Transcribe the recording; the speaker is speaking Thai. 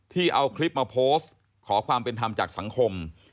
เอาคลิปมาโพสต์ขอความเป็นธรรมจากสังคม